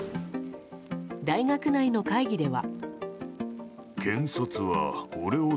大学内の会議では。